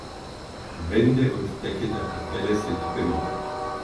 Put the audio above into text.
Wände und Decke der Kapelle sind bemalt.